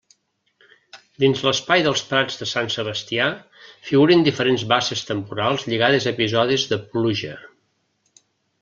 Dins l'espai dels prats de Sant Sebastià, figuren diferents basses temporals lligades a episodis de pluja.